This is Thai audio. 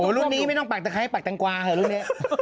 ก้ารุ่นนี้ไม่ต้องตากคล้ายตากแตงกวาเหรอรุ่นนี้